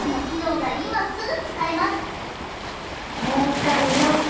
もう一回見よっと！